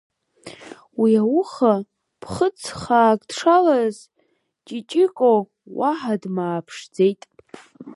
Уи ауха ԥхыӡ хаак дшалаз, ҷиҷико уаҳа дмааԥшӡеит…